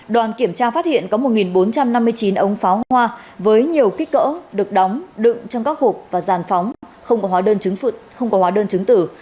đoàn kiểm tra phát hiện có một bốn trăm năm mươi chín ống pháo hoa với nhiều kích cỡ được đóng đựng trong các hộp và giàn phóng không có hóa đơn chứng tử